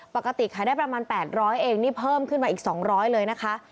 ปกติขายได้ประมาณ๘๐๐เองนี่เพิ่มขึ้นมาอีก๒๐๐เลยนะคะ